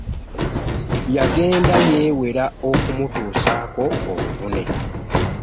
Yagenda yewera okumutuusaako obuvune.